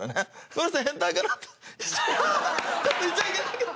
ちょっと言っちゃいけないけど。